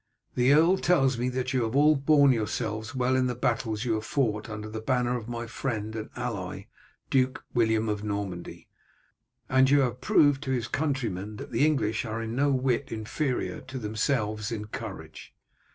"The earl tells me that you have all borne yourselves well in the battles you have fought under the banner of my friend and ally Duke William of Normandy, and that you have proved to his countrymen that the English are in no whit inferior to themselves in courage.